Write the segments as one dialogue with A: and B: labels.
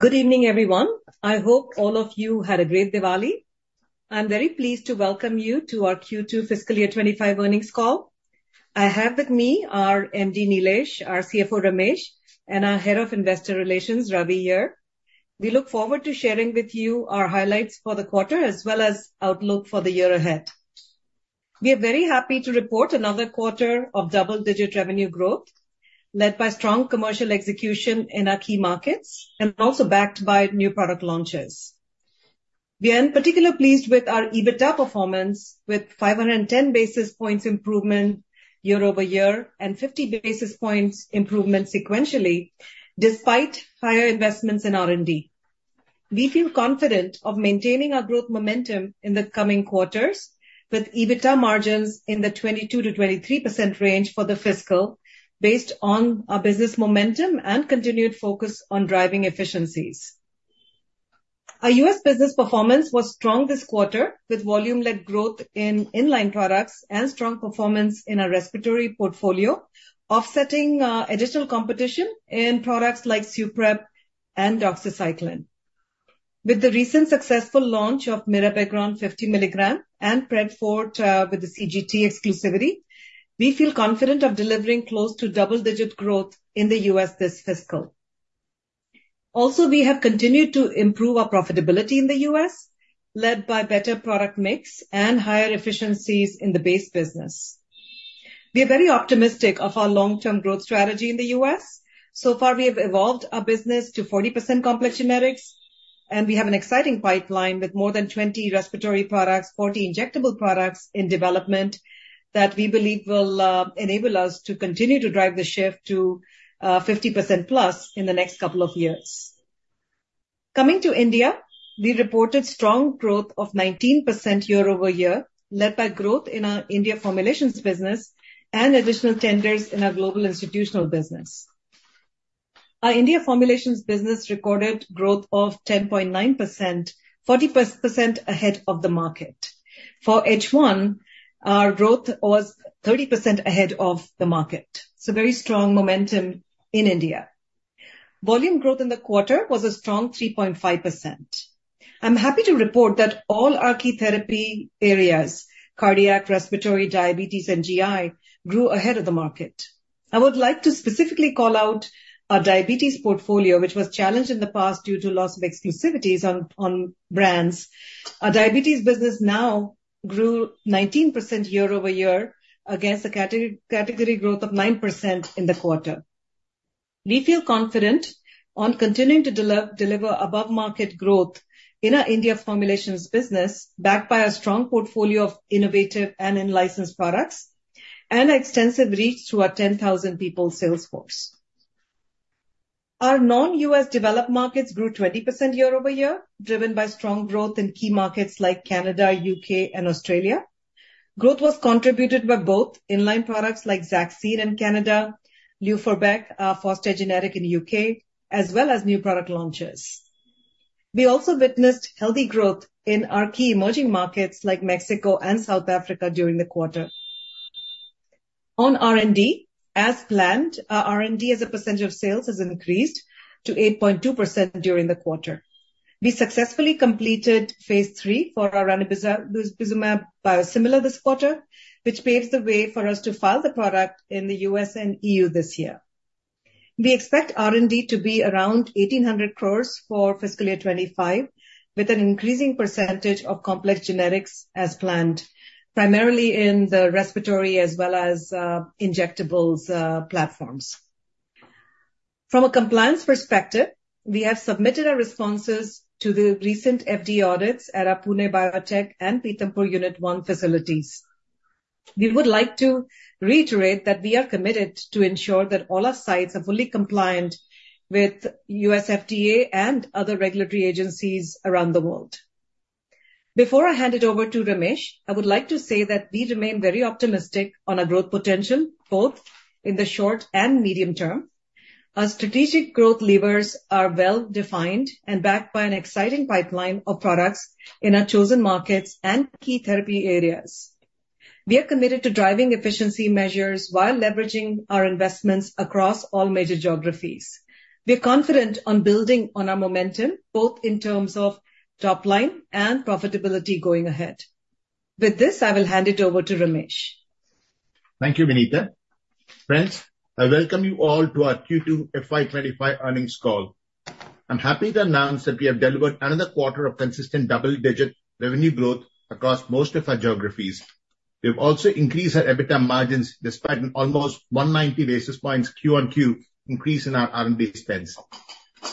A: Good evening, everyone. I hope all of you had a great Diwali. I'm very pleased to welcome you to our Q2 fiscal year 2025 earnings call. I have with me our MD Nilesh, our CFO Ramesh, and our Head of Investor Relations, Ravi here. We look forward to sharing with you our highlights for the quarter, as well as outlook for the year ahead. We are very happy to report another quarter of double-digit revenue growth, led by strong commercial execution in our key markets and also backed by new product launches. We are in particular pleased with our EBITDA performance, with 510 basis points improvement year-over-year and 50 basis points improvement sequentially, despite higher investments in R&D. We feel confident of maintaining our growth momentum in the coming quarters, with EBITDA margins in the 22%-23% range for the fiscal, based on our business momentum and continued focus on driving efficiencies. Our U.S. business performance was strong this quarter, with volume-led growth in inline products and strong performance in our respiratory portfolio, offsetting additional competition in products like Suprep and doxycycline. With the recent successful launch of mirabegron 50 mg and Pred Forte with the CGT exclusivity, we feel confident of delivering close to double-digit growth in the U.S. this fiscal. Also, we have continued to improve our profitability in the U.S., led by better product mix and higher efficiencies in the base business. We are very optimistic of our long-term growth strategy in the U.S. So far, we have evolved our business to 40% complex generics, and we have an exciting pipeline with more than 20 respiratory products, 40 injectable products in development that we believe will enable us to continue to drive the shift to 50%+ in the next couple of years. Coming to India, we reported strong growth of 19% year-over-year, led by growth in our India formulations business and additional tenders in our global institutional business. Our India formulations business recorded growth of 10.9%, 40% ahead of the market. For H1, our growth was 30% ahead of the market, so very strong momentum in India. Volume growth in the quarter was a strong 3.5%. I'm happy to report that all our key therapy areas - cardiac, respiratory, diabetes, and GI - grew ahead of the market. I would like to specifically call out our diabetes portfolio, which was challenged in the past due to loss of exclusivities on brands. Our diabetes business now grew 19% year-over-year, against a category growth of 9% in the quarter. We feel confident on continuing to deliver above-market growth in our India formulations business, backed by a strong portfolio of innovative and licensed products and an extensive reach through our 10,000-person sales force. Our non-U.S. developed markets grew 20% year-over-year, driven by strong growth in key markets like Canada, the UK, and Australia. Growth was contributed by both inline products like Zaxine in Canada, Luforbec, our Fostair generic in the UK, as well as new product launches. We also witnessed healthy growth in our key emerging markets like Mexico and South Africa during the quarter. On R&D, as planned, our R&D as a percentage of sales has increased to 8.2% during the quarter. We successfully completed phase III for our ranibizumab biosimilar this quarter, which paved the way for us to file the product in the U.S. and EU this year. We expect R&D to be around 1,800 crores for fiscal year 2025, with an increasing percentage of complex generics as planned, primarily in the respiratory as well as injectables platforms. From a compliance perspective, we have submitted our responses to the recent FDA audits at our Pune Biotech and Pithampur Unit 1 facilities. We would like to reiterate that we are committed to ensure that all our sites are fully compliant with U.S. FDA and other regulatory agencies around the world. Before I hand it over to Ramesh, I would like to say that we remain very optimistic on our growth potential, both in the short and medium term. Our strategic growth levers are well-defined and backed by an exciting pipeline of products in our chosen markets and key therapy areas. We are committed to driving efficiency measures while leveraging our investments across all major geographies. We are confident on building on our momentum, both in terms of top line and profitability going ahead. With this, I will hand it over to Ramesh.
B: Thank you, Vinita. Friends, I welcome you all to our Q2 FY 2025 earnings call. I'm happy to announce that we have delivered another quarter of consistent double-digit revenue growth across most of our geographies. We have also increased our EBITDA margins despite an almost 190 basis points QoQ increase in our R&D spends.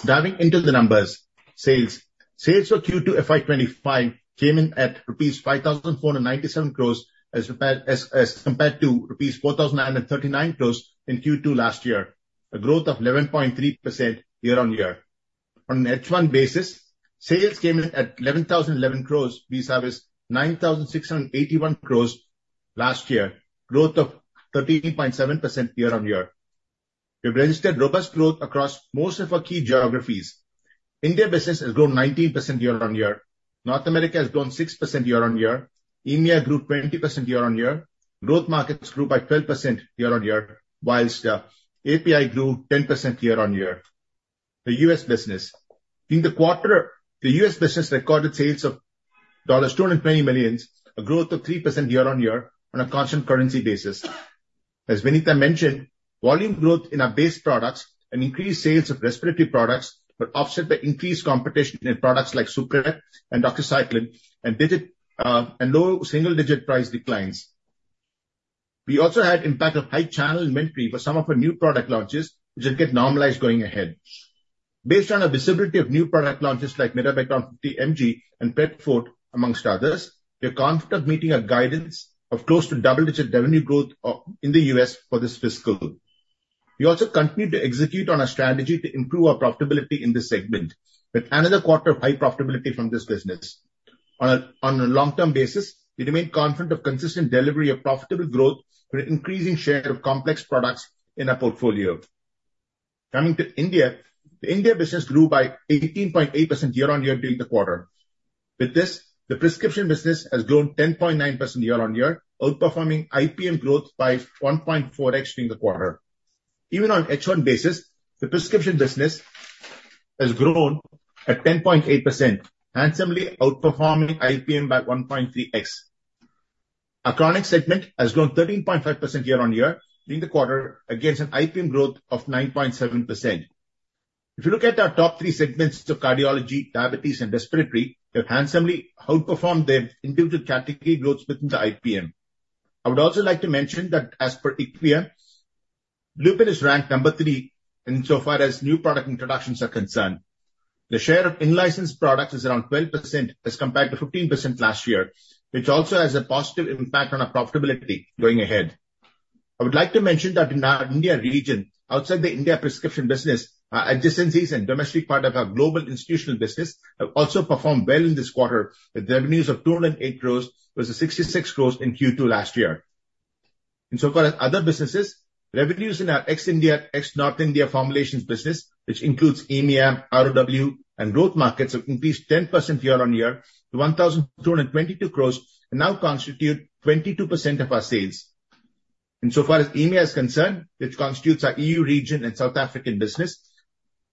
B: Diving into the numbers, sales. Sales for Q2 FY 2025 came in at rupees 5,497 crores as compared to rupees 4,939 crores in Q2 last year, a growth of 11.3% year on year. On an H1 basis, sales came in at 11,011 crores besides 9,681 crores last year, a growth of 13.7% year on year. We have registered robust growth across most of our key geographies. India business has grown 19% year on year. North America has grown 6% year on year. India grew 20% year on year. Growth markets grew by 12% year on year, while API grew 10% year on year. The U.S. business. In the quarter, the U.S. business recorded sales of $220 million, a growth of 3% year on year on a constant currency basis. As Vinita mentioned, volume growth in our base products and increased sales of respiratory products were offset by increased competition in products like Suprep and doxycycline and low single-digit price declines. We also had impact of high channel inventory for some of our new product launches, which will get normalized going ahead. Based on our visibility of new product launches like mirabegron 50 mg and Pred Forte, among others, we are confident of meeting our guidance of close to double-digit revenue growth in the U.S. for this fiscal. We also continue to execute on our strategy to improve our profitability in this segment, with another quarter of high profitability from this business. On a long-term basis, we remain confident of consistent delivery of profitable growth for an increasing share of complex products in our portfolio. Coming to India, the India business grew by 18.8% year on year during the quarter. With this, the prescription business has grown 10.9% year on year, outperforming IPM growth by 1.4x during the quarter. Even on an H1 basis, the prescription business has grown at 10.8%, handsomely outperforming IPM by 1.3x. Our chronic segment has grown 13.5% year on year during the quarter, against an IPM growth of 9.7%. If you look at our top three segments of cardiology, diabetes, and respiratory, they have handsomely outperformed their individual category growth within the IPM. I would also like to mention that as per IQVIA, Lupin is ranked number three insofar as new product introductions are concerned. The share of in-licensed products is around 12% as compared to 15% last year, which also has a positive impact on our profitability going ahead. I would like to mention that in our India region, outside the India prescription business, our adjacencies and domestic part of our global institutional business have also performed well in this quarter, with revenues of 208 crores versus 66 crores in Q2 last year. Insofar as other businesses, revenues in our ex-India, ex-North America formulations business, which includes EMEA, ROW, and growth markets, have increased 10% year on year to 1,222 crores and now constitute 22% of our sales. Insofar as EMEA is concerned, which constitutes our EU region and South African business,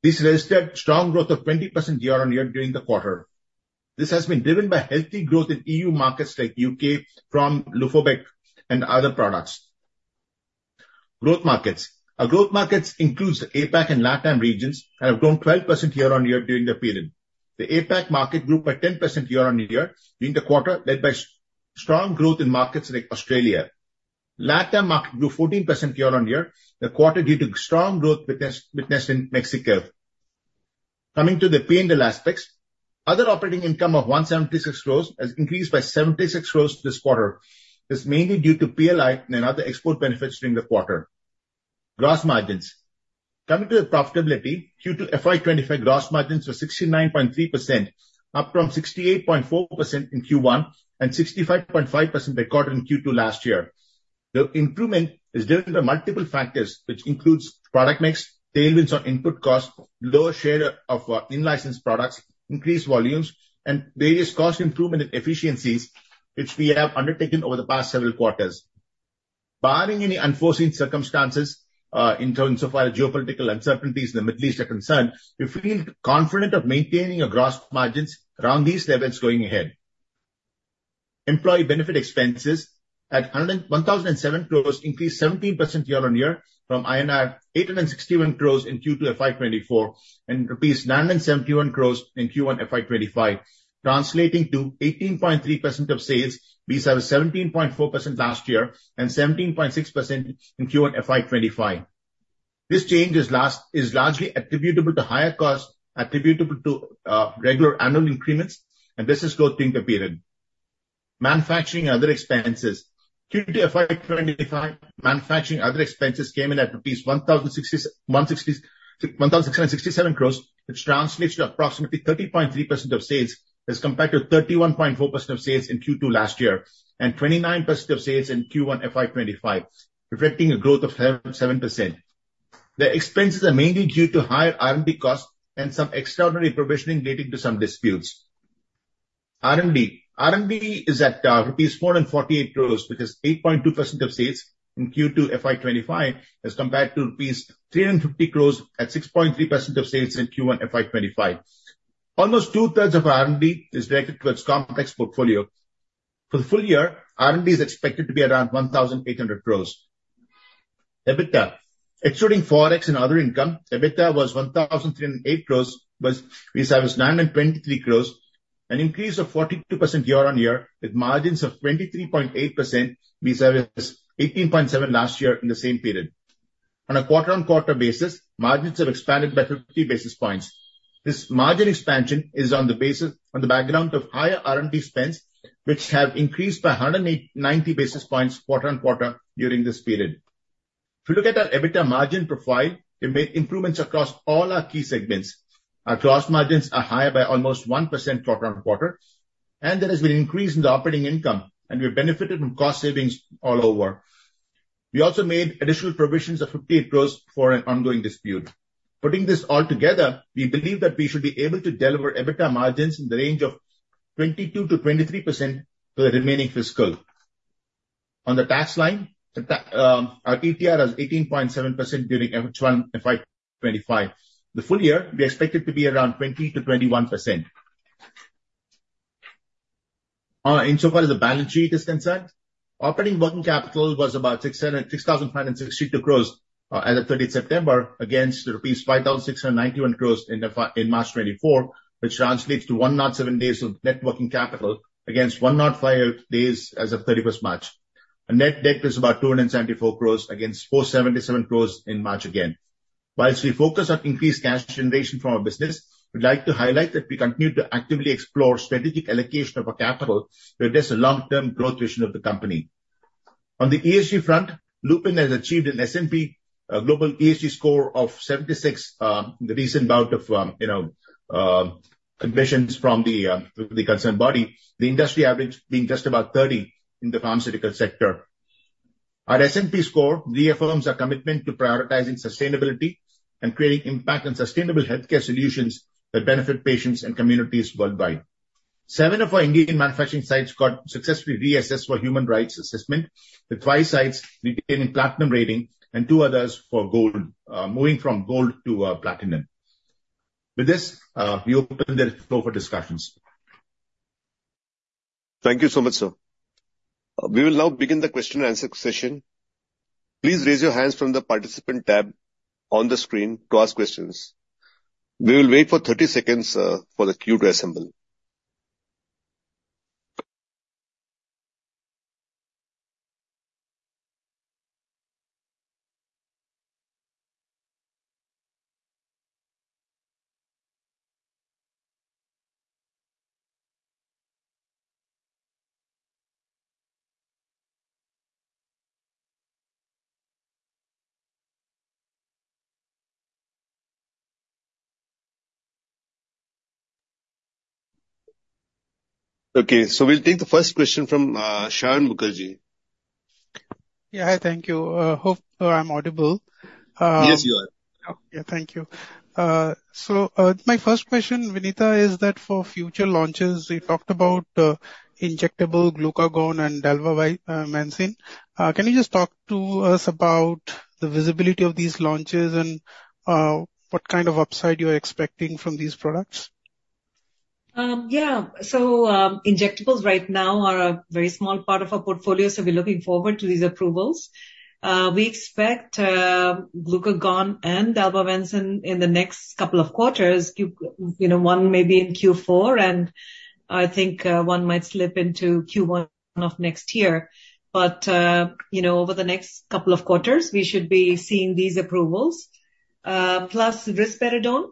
B: we registered strong growth of 20% year on year during the quarter. This has been driven by healthy growth in EU markets like UK from Luforbec and other products. Growth markets. Our growth markets include the APAC and LATAM regions, which have grown 12% year on year during the period. The APAC market grew by 10% year on year during the quarter, led by strong growth in markets like Australia. LATAM market grew 14% year on year in the quarter due to strong growth witnessed in Mexico. Coming to the P&L aspects, other operating income of 176 crores has increased by 76 crores this quarter. This is mainly due to PLI and other export benefits during the quarter. Gross margins. Coming to the profitability, Q2 FY 2025 gross margins were 69.3%, up from 68.4% in Q1 and 65.5% recorded in Q2 last year. The improvement is driven by multiple factors, which include product mix, tailwinds on input cost, lower share of in-licensed products, increased volumes, and various cost improvement and efficiencies, which we have undertaken over the past several quarters. Barring any unforeseen circumstances insofar as geopolitical uncertainties in the Middle East are concerned, we feel confident of maintaining our gross margins around these levels going ahead. Employee benefit expenses at 1,007 crores increased 17% year on year from INR 861 crores in Q2 FY 2024 and rupees 971 crores in Q1 FY 2025, translating to 18.3% of sales besides 17.4% last year and 17.6% in Q1 FY 2025. This change is largely attributable to higher costs attributable to regular annual increments, and this is growth during the period. Manufacturing and other expenses. Q2 FY 2025 manufacturing and other expenses came in at rupees 1,667 crores, which translates to approximately 30.3% of sales as compared to 31.4% of sales in Q2 last year and 29% of sales in Q1 FY 2025, reflecting a growth of 7%. The expenses are mainly due to higher R&D costs and some extraordinary provisioning leading to some disputes. R&D is at rupees 448 crores, which is 8.2% of sales in Q2 FY 2025 as compared to rupees 350 crores at 6.3% of sales in Q1 FY 2025. Almost two-thirds of R&D is directed towards complex portfolio. For the full year, R&D is expected to be around 1,800 crores. EBITDA excluding Forex and other income was 1,308 crores versus 923 crores, an increase of 42% year on year, with margins of 23.8% versus 18.7% last year in the same period. On a quarter-on-quarter basis, margins have expanded by 50 basis points. This margin expansion is on the background of higher R&D spends, which have increased by 190 basis points quarter-on-quarter during this period. If we look at our EBITDA margin profile, we made improvements across all our key segments. Our gross margins are higher by almost 1% quarter-on-quarter, and there has been an increase in the operating income, and we have benefited from cost savings all over. We also made additional provisions of 58 crores for an ongoing dispute. Putting this all together, we believe that we should be able to deliver EBITDA margins in the range of 22%-23% for the remaining fiscal. On the tax line, our ETR is 18.7% during H1 FY 2025. The full year, we expect it to be around 20%-21%. Insofar as the balance sheet is concerned, operating working capital was about 6,562 crores as of 30 September, against rupees 5,691 crores in March 2024, which translates to 107 days of net working capital against 105 days as of 31 March 2024. Net debt is about 274 crores against 477 crores in March 2024 again. While we focus on increased cash generation from our business, we'd like to highlight that we continue to actively explore strategic allocation of our capital, where there's a long-term growth vision of the company. On the ESG front, Lupin has achieved an S&P Global ESG score of 76 in the recent round of assessments from the concerned body, the industry average being just about 30 in the pharmaceutical sector. Our S&P score reaffirms our commitment to prioritizing sustainability and creating impact on sustainable healthcare solutions that benefit patients and communities worldwide. Seven of our Indian manufacturing sites got successfully reassessed for human rights assessment, with five sites retaining platinum rating and two others for gold, moving from gold to platinum. With this, we open the floor for discussions.
C: Thank you so much, sir. We will now begin the question-and-answer session. Please raise your hands from the participant tab on the screen to ask questions. We will wait for 30 seconds for the queue to assemble. Okay, so we'll take the first question from Saion Mukherjee.
D: Yeah, hi, thank you. Hope I'm audible.
C: Yes, you are.
D: Yeah, thank you. So my first question, Vinita, is that for future launches, we talked about injectable glucagon and dalbavancin. Can you just talk to us about the visibility of these launches and what kind of upside you're expecting from these products?
A: Yeah, so injectables right now are a very small part of our portfolio, so we're looking forward to these approvals. We expect glucagon and dalbavancin in the next couple of quarters. One may be in Q4, and I think one might slip into Q1 of next year. But over the next couple of quarters, we should be seeing these approvals, plus risperidone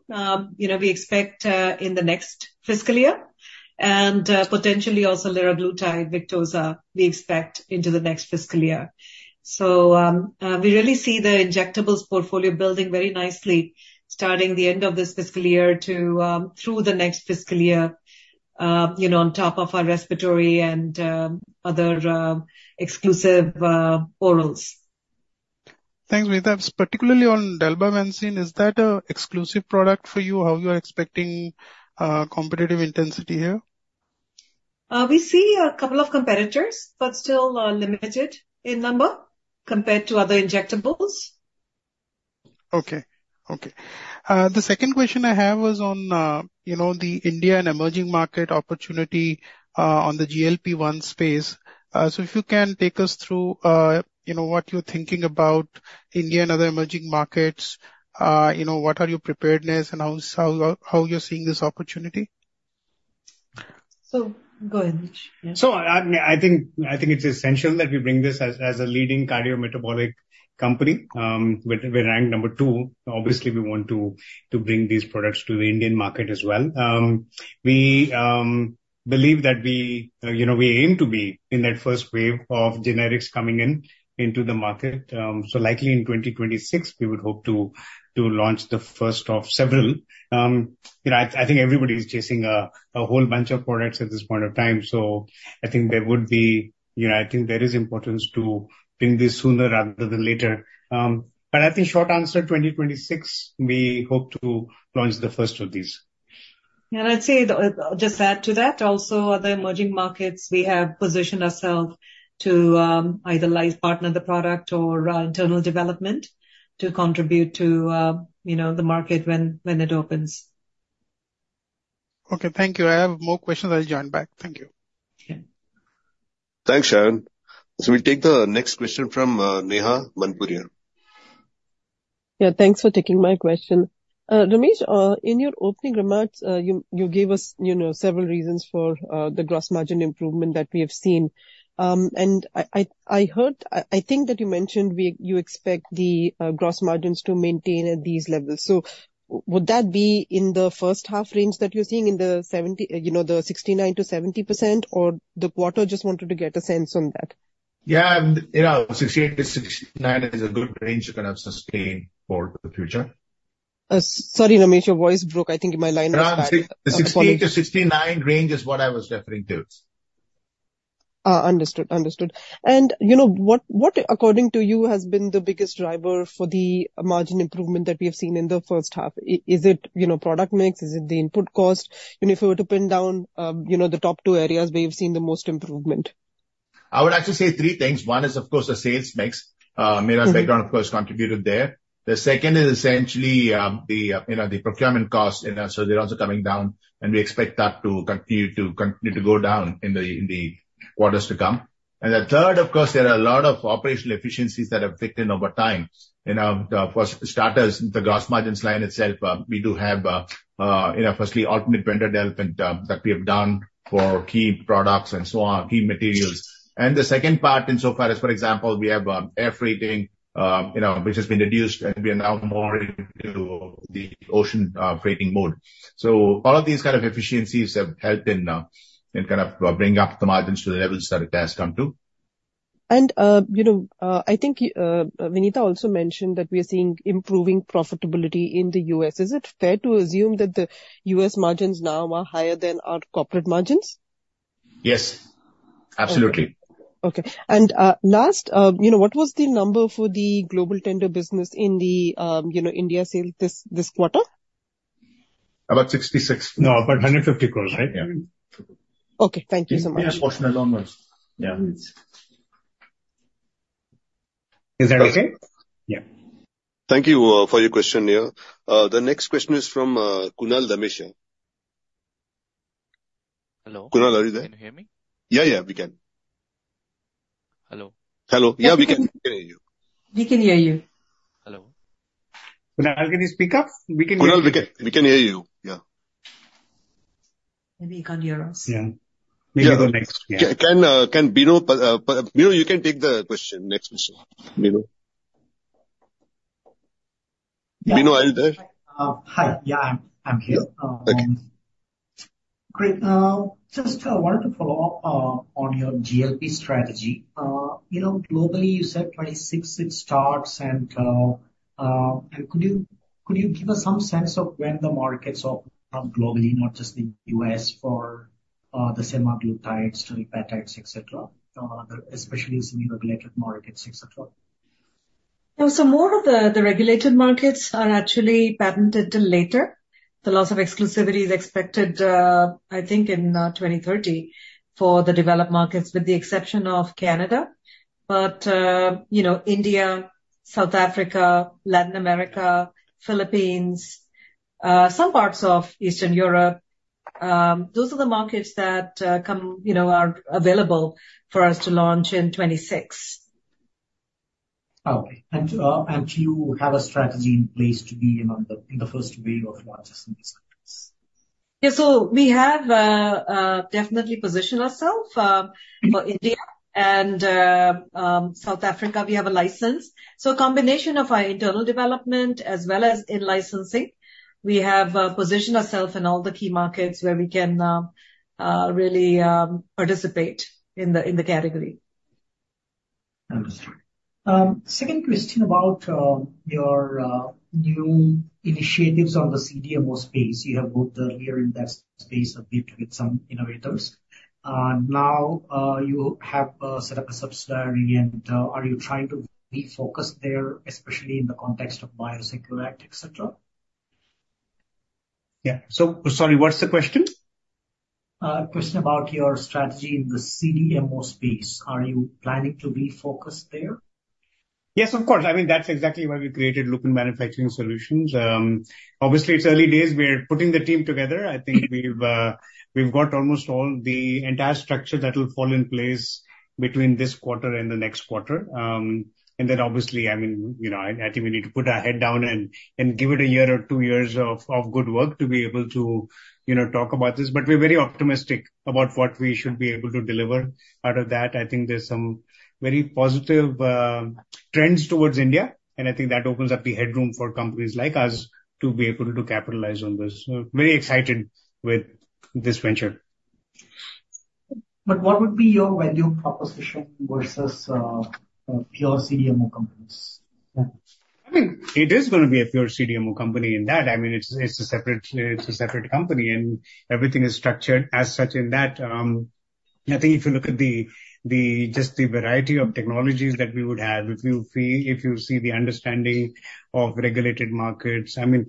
A: we expect in the next fiscal year, and potentially also liraglutide Victoza we expect into the next fiscal year. So we really see the injectables portfolio building very nicely starting the end of this fiscal year through the next fiscal year on top of our respiratory and other exclusive orals.
D: Thanks, Vinita. Particularly on dalbavancin, is that an exclusive product for you? How are you expecting competitive intensity here?
A: We see a couple of competitors, but still limited in number compared to other injectables.
D: Okay, okay. The second question I have was on the India and emerging market opportunity on the GLP-1 space. So if you can take us through what you're thinking about India and other emerging markets, what are your preparedness and how you're seeing this opportunity?
A: So go ahead, Vinita.
B: So, I think it's essential that we bring this as a leading cardiometabolic company. We're ranked number two. Obviously, we want to bring these products to the Indian market as well. We believe that we aim to be in that first wave of generics coming into the market. So likely in 2026, we would hope to launch the first of several. I think everybody is chasing a whole bunch of products at this point of time. So I think there is importance to bring this sooner rather than later. But I think short answer, 2026, we hope to launch the first of these.
A: I'd say just add to that, also other emerging markets, we have positioned ourselves to either partner the product or internal development to contribute to the market when it opens.
D: Okay, thank you. I have more questions. I'll join back. Thank you.
C: Thanks, Saion. So we'll take the next question from Neha Manpuria.
E: Yeah, thanks for taking my question. Ramesh, in your opening remarks, you gave us several reasons for the gross margin improvement that we have seen. And I think that you mentioned you expect the gross margins to maintain at these levels. So would that be in the first half range that you're seeing in the 69%-70%, or the quarter? Just wanted to get a sense on that.
B: Yeah, 68%-69% is a good range you can sustain for the future.
E: Sorry, Ramesh, your voice broke. I think my line of thought.
B: The 68%-69% range is what I was referring to.
E: Understood. Understood. And what, according to you, has been the biggest driver for the margin improvement that we have seen in the first half? Is it product mix? Is it the input cost? If we were to pin down the top two areas where you've seen the most improvement?
B: I would actually say three things. One is, of course, the sales mix. mirabegron's background, of course, contributed there. The second is essentially the procurement cost. So they're also coming down, and we expect that to continue to go down in the quarters to come, and the third, of course, there are a lot of operational efficiencies that have taken over time. For starters, the gross margins line itself, we do have firstly alternate vendor development that we have done for key products and so on, key materials, and the second part insofar as, for example, we have air freighting, which has been reduced, and we are now more into the ocean freighting mode. So all of these kind of efficiencies have helped in kind of bringing up the margins to the levels that it has come to.
E: I think Vinita also mentioned that we are seeing improving profitability in the U.S. Is it fair to assume that the U.S. margins now are higher than our corporate margins?
B: Yes, absolutely.
E: Okay. And last, what was the number for the global tender business in the India sales this quarter?
B: About 66. No, about 150 crores, right? Yeah.
E: Okay. Thank you so much.
B: Yes, partial loan was. Yeah.
C: Is that okay?
B: Yeah.
C: Thank you for your question, Neha. The next question is from Kunal Dhamesha.
F: Hello?
C: Kunal, are you there?
F: Can you hear me?
C: Yeah, yeah, we can.
F: Hello?
C: Hello. Yeah, we can hear you.
A: We can hear you.
F: Hello.
B: Kunal, can you speak up? We can hear you.
C: Kunal, we can hear you. Yeah.
A: Maybe you can't hear us.
C: Yeah.
B: Maybe the next one.
C: Can Bino? Bino, you can take the question, next question. Bino. Bino, are you there? Hi. Yeah, I'm here. Okay. Great. Just wanted to follow up on your GLP strategy. Globally, you said 26 starts. And could you give us some sense of when the markets open up globally, not just in the U.S. for the semaglutides, tirzepatide types, etc., especially in semi-regulated markets, etc.?
A: So, more of the regulated markets are actually patented later. The loss of exclusivity is expected, I think, in 2030 for the developed markets, with the exception of Canada. But India, South Africa, Latin America, Philippines, some parts of Eastern Europe, those are the markets that are available for us to launch in '26. Okay. And do you have a strategy in place to be in the first wave of launches in these countries? Yeah, so we have definitely positioned ourselves for India and South Africa. We have a license. So a combination of our internal development as well as in licensing, we have positioned ourselves in all the key markets where we can really participate in the category. Understood. Second question about your new initiatives on the CDMO space. You have moved earlier in that space, appeared to be some innovators. Now, you have set up a subsidiary. And are you trying to refocus there, especially in the context of Biosecure Act, etc.?
B: Yeah. So sorry, what's the question? Question about your strategy in the CDMO space. Are you planning to refocus there? Yes, of course. I mean, that's exactly why we created Lupin Manufacturing Solutions. Obviously, it's early days. We're putting the team together. I think we've got almost all the entire structure that will fall in place between this quarter and the next quarter. And then, obviously, I mean, I think we need to put our head down and give it a year or two years of good work to be able to talk about this. But we're very optimistic about what we should be able to deliver out of that. I think there's some very positive trends towards India. And I think that opens up the headroom for companies like us to be able to capitalize on this. So very excited with this venture. But what would be your value proposition versus pure CDMO companies? I think it is going to be a pure CDMO company in that. I mean, it's a separate company. And everything is structured as such in that. I think if you look at just the variety of technologies that we would have, if you see the understanding of regulated markets, I mean,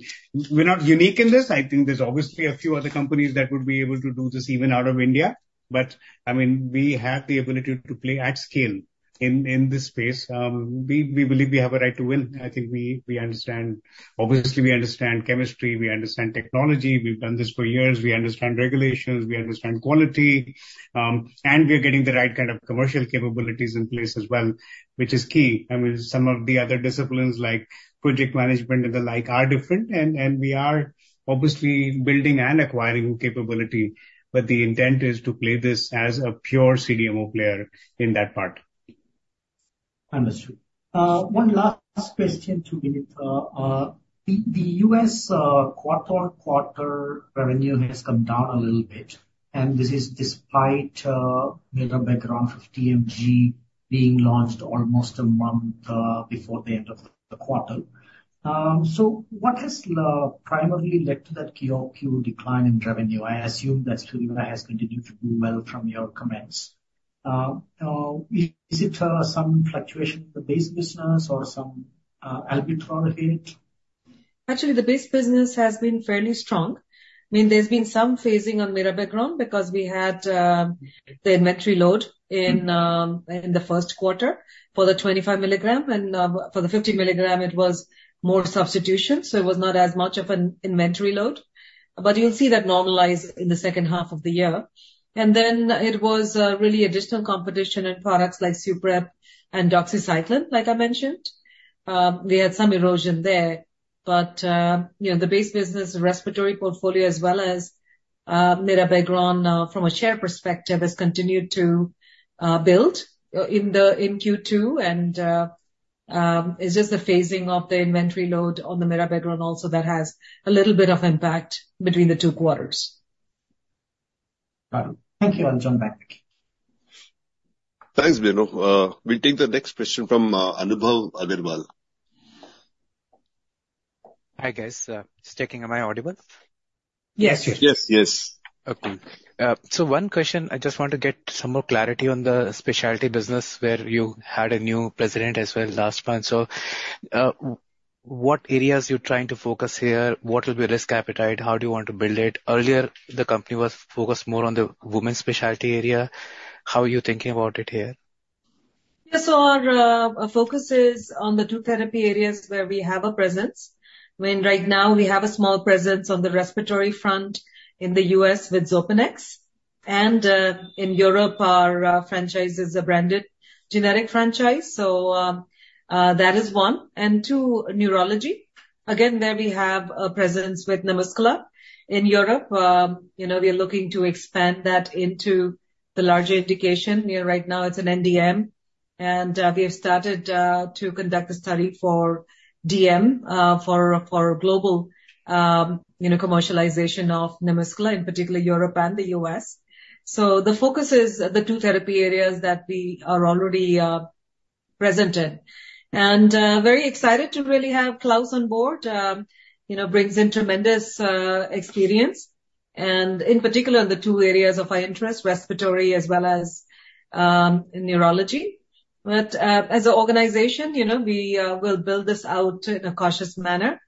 B: we're not unique in this. I think there's obviously a few other companies that would be able to do this even out of India. But I mean, we have the ability to play at scale in this space. We believe we have a right to win. I think we understand. Obviously, we understand chemistry. We understand technology. We've done this for years. We understand regulations. We understand quality. And we are getting the right kind of commercial capabilities in place as well, which is key. I mean, some of the other disciplines like project management and the like are different, and we are obviously building and acquiring capability, but the intent is to play this as a pure CDMO player in that part. Understood. One last question to Vinita. The U.S. quarter-on-quarter revenue has come down a little bit. And this is despite mirabegron 50 mg being launched almost a month before the end of the quarter. So what has primarily led to that Q2 decline in revenue? I assume that Spiriva has continued to do well from your comments. Is it some fluctuation in the base business or some arbitrary hit?
A: Actually, the base business has been fairly strong. I mean, there's been some phasing on mirabegron because we had the inventory load in the first quarter for the 25 mg. And for the 50 mg, it was more substitution. So it was not as much of an inventory load. But you'll see that normalize in the second half of the year. And then it was really additional competition and products like Suprep and doxycycline, like I mentioned. We had some erosion there. But the base business, respiratory portfolio, as well as mirabegron from a share perspective, has continued to build in Q2. And it's just the phasing of the inventory load on the mirabegron also that has a little bit of impact between the two quarters. Got it. Thank you. I'll jump back.
C: Thanks, Bino. We'll take the next question from Anubhav Agarwal. Hi, guys. I'm checking on my audio? Yes, yes.
B: Yes, yes. Okay. So one question. I just want to get some more clarity on the specialty business where you had a new president as well last month. So what areas are you trying to focus here? What will be risk appetite? How do you want to build it? Earlier, the company was focused more on the women's specialty area. How are you thinking about it here?
A: Yeah. So our focus is on the two therapy areas where we have a presence. I mean, right now, we have a small presence on the respiratory front in the U.S. with Xopenex. And in Europe, our franchise is a branded generic franchise. So that is one. And two, neurology. Again, there we have a presence with NaMuscla. In Europe, we are looking to expand that into the larger indication. Right now, it's an NDM. And we have started to conduct a study for DM for global commercialization of NaMuscla, in particular, Europe and the U.S. So the focus is the two therapy areas that we are already present in. And very excited to really have Klaus on board. Brings in tremendous experience. And in particular, in the two areas of our interest, respiratory as well as neurology. But as an organization, we will build this out in a cautious manner.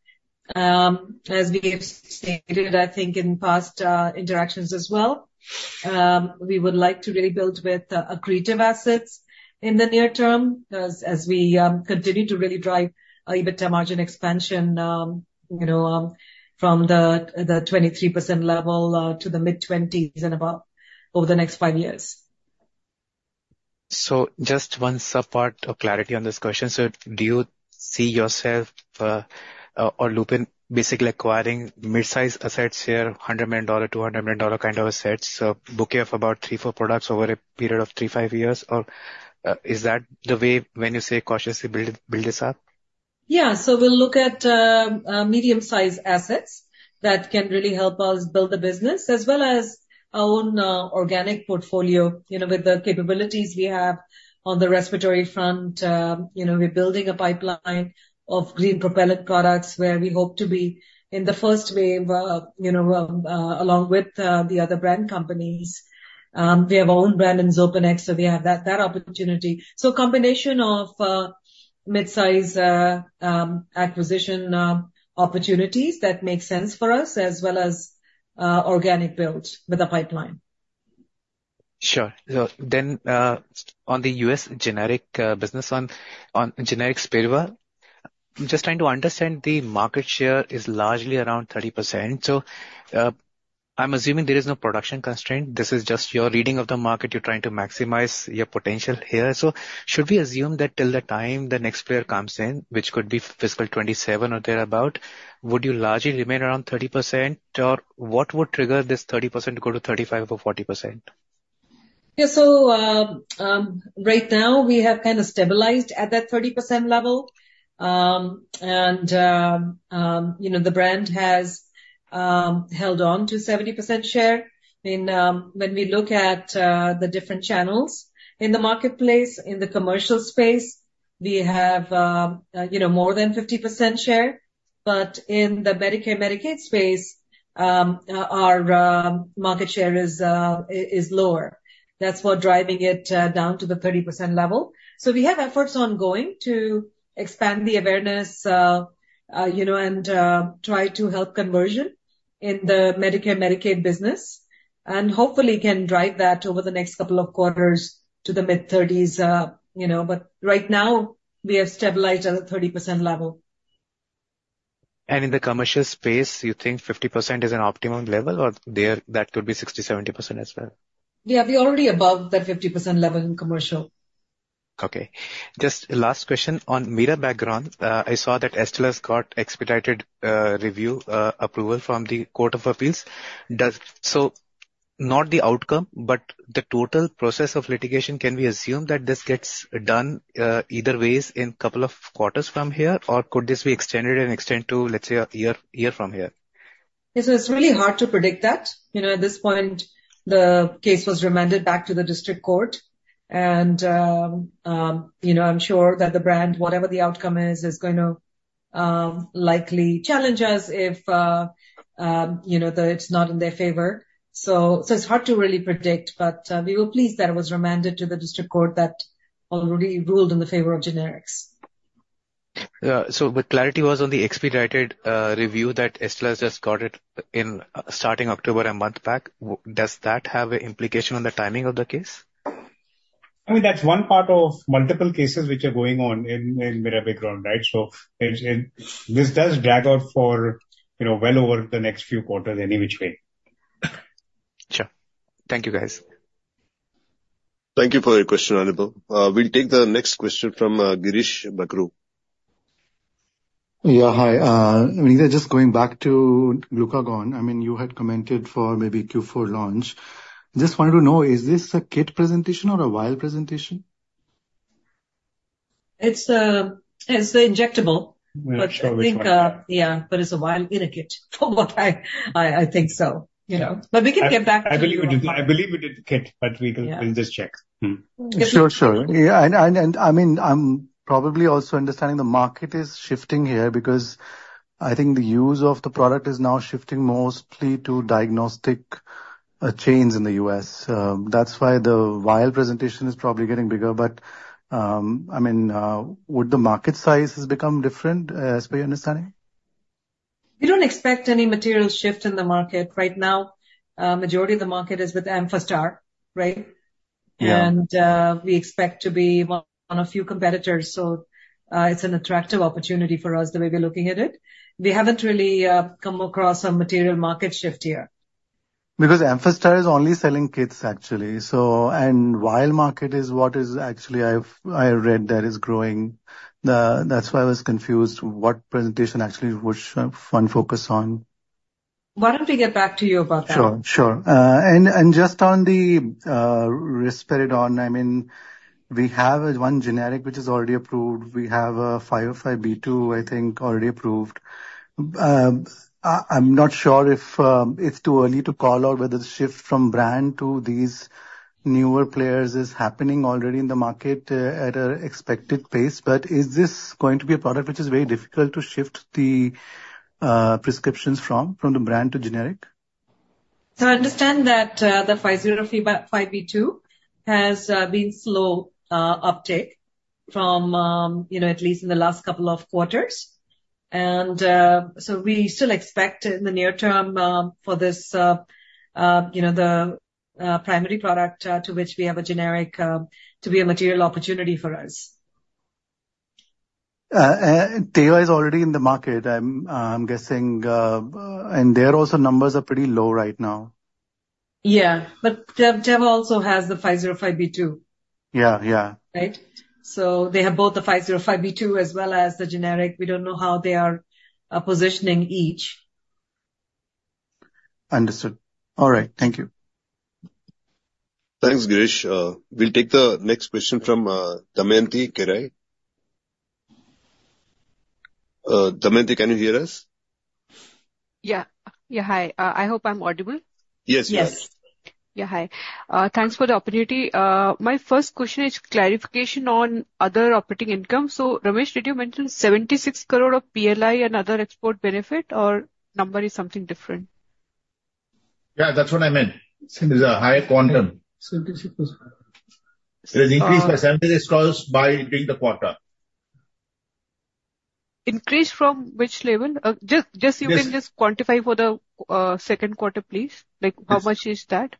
A: As we have stated, I think in past interactions as well, we would like to really build with accretive assets in the near term as we continue to really drive our EBITDA margin expansion from the 23% level to the mid-20s and above over the next five years. So just one subpart of clarity on this question. So do you see yourself or Lupin basically acquiring mid-size assets here, $100 million, $200 million kind of assets, booking of about three, four products over a period of three, five years? Or is that the way when you say cautiously build this up? Yeah. So we'll look at medium-sized assets that can really help us build the business as well as our own organic portfolio with the capabilities we have on the respiratory front. We're building a pipeline of green propellant products where we hope to be in the first wave along with the other brand companies. We have our own brand in Xopenex, so we have that opportunity. So a combination of mid-size acquisition opportunities that make sense for us as well as organic builds with a pipeline. Sure. So then on the US generic business one, on generic Spiriva, I'm just trying to understand the market share is largely around 30%. So I'm assuming there is no production constraint. This is just your reading of the market. You're trying to maximize your potential here. So should we assume that till the time the next player comes in, which could be fiscal 2027 or thereabout, would you largely remain around 30%? Or what would trigger this 30% to go to 35 or 40%? Yeah. So right now, we have kind of stabilized at that 30% level. And the brand has held on to 70% share. I mean, when we look at the different channels in the marketplace, in the commercial space, we have more than 50% share. But in the Medicare/Medicaid space, our market share is lower. That's what's driving it down to the 30% level. So we have efforts ongoing to expand the awareness and try to help conversion in the Medicare/Medicaid business. And hopefully, can drive that over the next couple of quarters to the mid-30s. But right now, we have stabilized at a 30% level. In the commercial space, you think 50% is an optimum level? Or that could be 60%-70% as well? Yeah. We're already above that 50% level in commercial. Okay. Just last question on mirabegron. I saw that Astellas got expedited review approval from the Court of Appeals. So not the outcome, but the total process of litigation, can we assume that this gets done either way in a couple of quarters from here? Or could this be extended and extend to, let's say, a year from here? Yeah. So it's really hard to predict that. At this point, the case was remanded back to the district court. And I'm sure that the brand, whatever the outcome is, is going to likely challenge us if it's not in their favor. So it's hard to really predict. But we were pleased that it was remanded to the district court that already ruled in favor of generics. So what clarity was on the expedited review that Astellas has just got it starting October a month back? Does that have an implication on the timing of the case?
B: I mean, that's one part of multiple cases which are going on in mirabegron background, right? So this does drag out for well over the next few quarters, any which way. Sure. Thank you, guys.
C: Thank you for your question, Anubhav. We'll take the next question from Girish Bakhru.
G: Yeah. Hi. I mean, just going back to glucagon, I mean, you had commented for maybe Q4 launch. Just wanted to know, is this a kit presentation or a vial presentation?
A: It's an injectable.
B: Injectable.
A: Yeah. But it's a vial in a kit. I think so. But we can get back to it.
B: I believe we did the kit, but we'll just check.
G: Sure, sure. Yeah. And I mean, I'm probably also understanding the market is shifting here because I think the use of the product is now shifting mostly to diagnostic chains in the U.S. That's why the vial presentation is probably getting bigger. But I mean, would the market sizes become different as per your understanding?
A: We don't expect any material shift in the market. Right now, majority of the market is with Amphastar, right? And we expect to be one of few competitors. So it's an attractive opportunity for us the way we're looking at it. We haven't really come across a material market shift here.
G: Because Amphastar is only selling kits, actually. And vial market is what is actually, I read, that is growing. That's why I was confused what presentation actually would fund focus on.
A: Why don't we get back to you about that?
G: Sure, sure. And just on the risperidone, I mean, we have one generic which is already approved. We have a 505(b)(2), I think, already approved. I'm not sure if it's too early to call out whether the shift from brand to these newer players is happening already in the market at an expected pace. But is this going to be a product which is very difficult to shift the prescriptions from, from the brand to generic?
A: I understand that the 505(b)(2) has been slow uptake from at least in the last couple of quarters. We still expect in the near term for this, the primary product to which we have a generic, to be a material opportunity for us.
G: Teva is already in the market, I'm guessing, and there also, numbers are pretty low right now.
A: Yeah. But Teva also has the 505(b)(2).
G: Yeah, yeah.
A: Right? So they have both the 505(b)(2) as well as the generic. We don't know how they are positioning each.
G: Understood. All right. Thank you.
C: Thanks, Girish. We'll take the next question from Damayanti Kerai. Damayanti, can you hear us?
H: Yeah. Yeah. Hi. I hope I'm audible.
C: Yes, yes.
H: Hi. Thanks for the opportunity. My first question is clarification on other operating income. So Ramesh, did you mention 76 crore of PLI and other export benefit? Or number is something different?
B: Yeah. That's what I meant. It's a higher quantum. 76. It has increased by 76 crores during the quarter.
H: Increased from which level? Just you can just quantify for the second quarter, please. How much is that?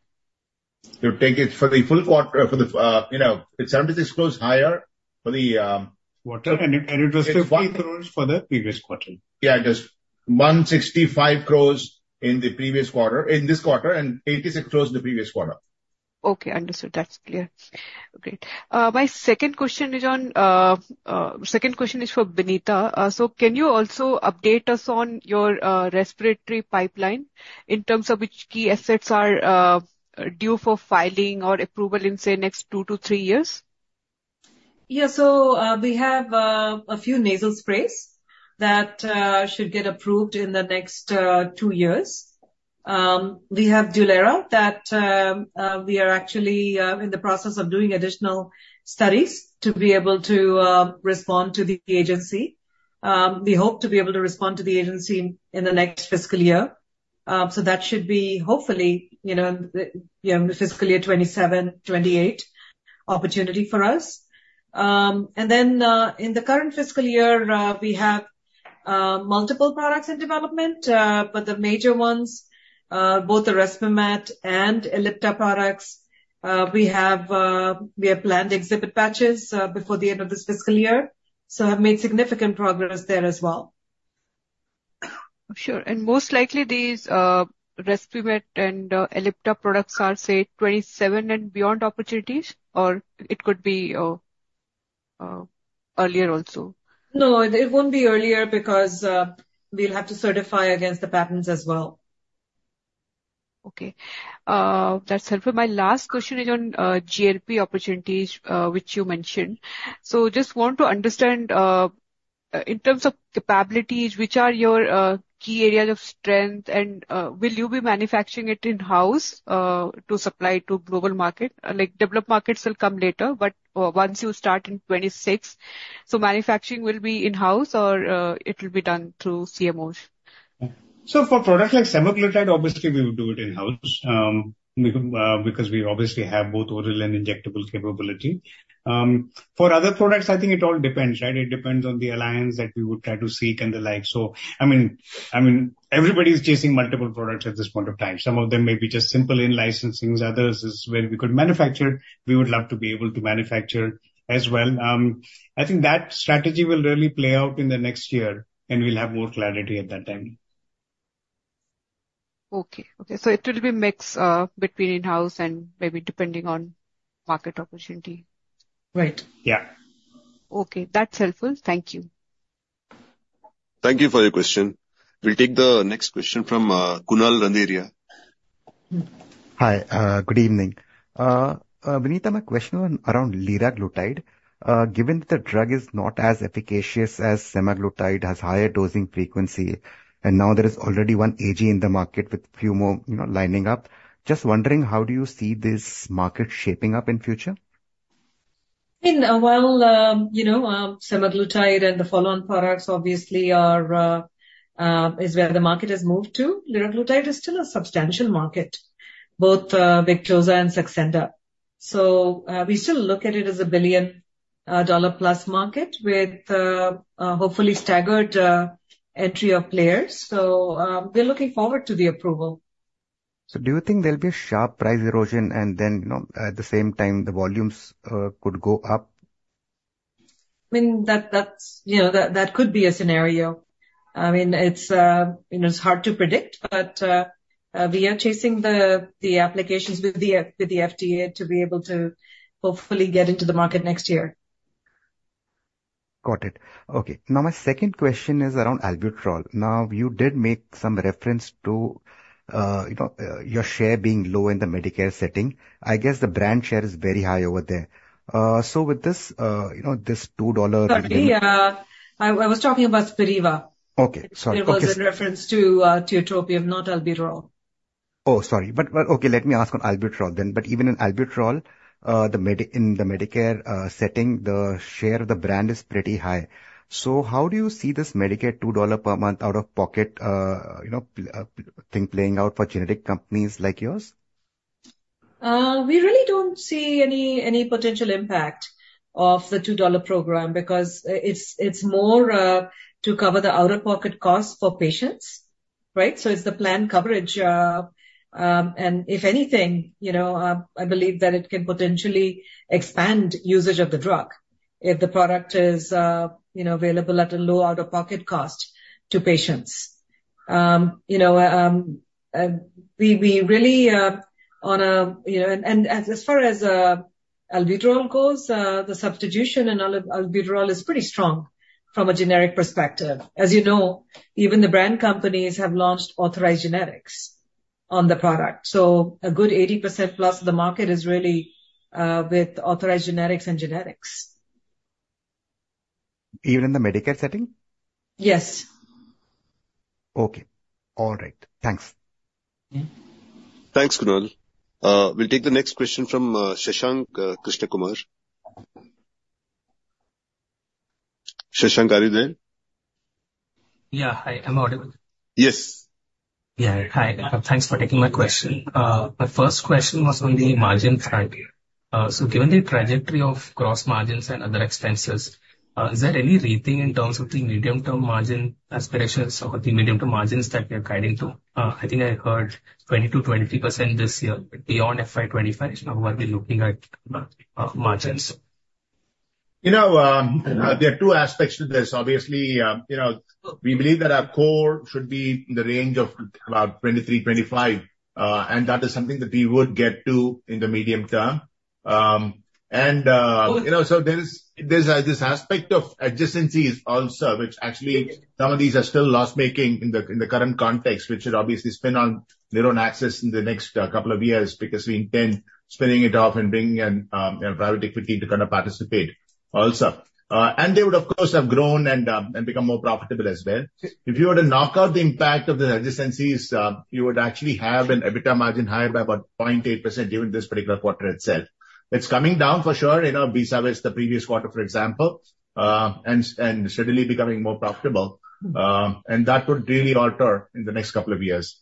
B: You take it for the full quarter. It's 76 crores higher for the. Quarter. And it was 50 crores for the previous quarter. Yeah. Just 165 crores in the previous quarter in this quarter and 86 crores in the previous quarter.
H: Okay. Understood. That's clear. Great. My second question is for Vinita. So can you also update us on your respiratory pipeline in terms of which key assets are due for filing or approval in, say, next two to three years?
A: Yeah. So we have a few nasal sprays that should get approved in the next two years. We have Dulera that we are actually in the process of doing additional studies to be able to respond to the agency. We hope to be able to respond to the agency in the next fiscal year. So that should be, hopefully, fiscal year 2027, 2028 opportunity for us. And then in the current fiscal year, we have multiple products in development. But the major ones, both the Respimat and Ellipta products, we have planned exhibit batches before the end of this fiscal year. So have made significant progress there as well.
H: Sure. And most likely, these Respimat and Ellipta products are, say, 2027 and beyond opportunities? Or it could be earlier also?
A: No. It won't be earlier because we'll have to certify against the patents as well.
H: Okay. That's helpful. My last question is on GLP opportunities, which you mentioned. So just want to understand in terms of capabilities, which are your key areas of strength? And will you be manufacturing it in-house to supply to global market? Developed markets will come later. But once you start in 2026, so manufacturing will be in-house or it will be done through CMOs?
B: So for products like semaglutide, obviously, we would do it in-house because we obviously have both oral and injectable capability. For other products, I think it all depends, right? It depends on the alliance that we would try to seek and the like. So I mean, everybody's chasing multiple products at this point of time. Some of them may be just simple in-licensings. Others is when we could manufacture, we would love to be able to manufacture as well. I think that strategy will really play out in the next year. And we'll have more clarity at that time.
H: It will be mix between in-house and maybe depending on market opportunity.
A: Right.
B: Yeah.
H: Okay. That's helpful. Thank you.
C: Thank you for your question. We'll take the next question from Kunal Randeria.
I: Hi. Good evening, Vinita. My question around liraglutide. Given that the drug is not as efficacious as semaglutide, has higher dosing frequency, and now there is already one AG in the market with few more lining up, just wondering how do you see this market shaping up in the future?
A: I mean, while semaglutide and the follow-on products obviously is where the market has moved to, liraglutide is still a substantial market, both Victoza and Saxenda. So we still look at it as a billion-dollar-plus market with hopefully staggered entry of players. So we're looking forward to the approval.
I: So do you think there'll be a sharp price erosion and then at the same time, the volumes could go up?
A: I mean, that could be a scenario. I mean, it's hard to predict, but we are chasing the applications with the FDA to be able to hopefully get into the market next year.
I: Got it. Okay. Now, my second question is around albuterol. Now, you did make some reference to your share being low in the Medicare setting. I guess the brand share is very high over there. So with this $2.
A: Certainly. I was talking about Spiriva.
I: Okay. Sorry. Go ahead.
A: It was in reference to tiotropium, not albuterol.
I: Oh, sorry. But okay, let me ask on albuterol then. But even in albuterol, in the Medicare setting, the share of the brand is pretty high. So how do you see this Medicare $2 per month out-of-pocket thing playing out for generic companies like yours?
A: We really don't see any potential impact of the $2 program because it's more to cover the out-of-pocket costs for patients, right? So it's the planned coverage, and if anything, I believe that it can potentially expand usage of the drug if the product is available at a low out-of-pocket cost to patients. We really, as far as albuterol goes, the substitution in albuterol is pretty strong from a generic perspective. As you know, even the brand companies have launched authorized generics on the product, so a good 80% plus of the market is really with authorized generics and generics.
I: Even in the Medicare setting?
A: Yes.
I: Okay. All right. Thanks.
C: Thanks, Kunal. We'll take the next question from Shashank Krishnakumar. Shashank, are you there?
J: Yeah. Hi. I'm audible.
C: Yes.
J: Yeah. Hi. Thanks for taking my question. My first question was on the margin front. So given the trajectory of gross margins and other expenses, is there any rethink in terms of the medium-term margin aspirations or the medium-term margins that we are guiding to? I think I heard 20%-23% this year. Beyond FY 2025, what are we looking at margins?
B: There are two aspects to this. Obviously, we believe that our core should be in the range of about 23%-25%. And that is something that we would get to in the medium term. And so there's this aspect of adjacencies also, which actually some of these are still loss-making in the current context, which should obviously spin on their own axis in the next couple of years because we intend spinning it off and bringing in private equity to kind of participate also. And they would, of course, have grown and become more profitable as well. If you were to knock out the impact of the adjacencies, you would actually have an EBITDA margin higher by about 0.8% given this particular quarter itself. It's coming down for sure. Versus the previous quarter, for example, and steadily becoming more profitable. That would really alter in the next couple of years.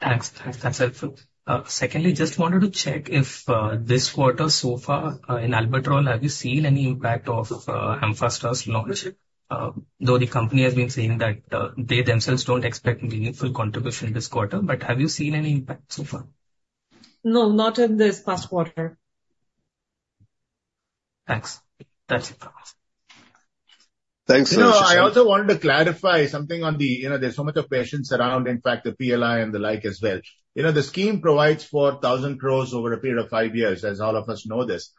J: Thanks. Thanks. That's helpful. Secondly, just wanted to check if this quarter so far in albuterol, have you seen any impact of Amphastar's launch? Though the company has been saying that they themselves don't expect meaningful contribution this quarter, but have you seen any impact so far?
A: No, not in this past quarter.
J: Thanks. That's it.
C: Thanks, Ramesh.
B: No, I also wanted to clarify something on. There's so much of patience around, in fact, the PLI and the like as well. The scheme provides for 1,000 crores over a period of five years, as all of us know this.